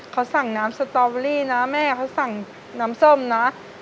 เขาสั่งน้ำสตอเบอรี่นะแม่เขาสั่งน้ำส้มนะ